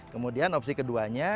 kemudian opsi keduanya